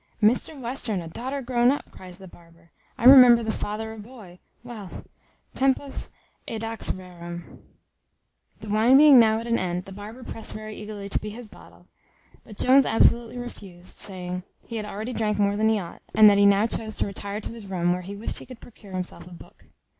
"Mr Western a daughter grown up!" cries the barber: "I remember the father a boy; well, Tempus edax rerum." The wine being now at an end, the barber pressed very eagerly to be his bottle; but Jones absolutely refused, saying, "He had already drank more than he ought: and that he now chose to retire to his room, where he wished he could procure himself a book."